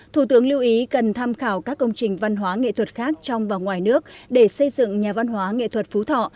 thủ tướng lưu ý cần tham khảo các công trình văn hóa nghệ thuật khác trong và ngoài nước để xây dựng nhà văn hóa nghệ thuật phú thọ